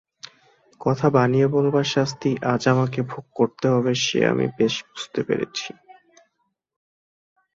কথা বানিয়ে বলবার শাস্তি আজ আমাকে ভোগ করতে হবে সে আমি বেশ বুঝতে পেরেছি।